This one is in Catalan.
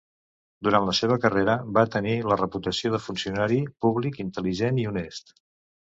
Durant la seva carrera, va tenir la reputació de funcionari públic intel·ligent i honest.